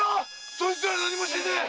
そいつら何もしてねえ！